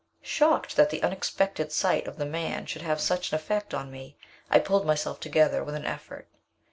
Shocked that the unexpected sight of the man should have such an effect on me, I pulled myself together with an effort.